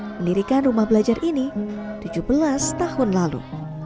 mendirikan rumah belajar ini tujuh belas tahun lalu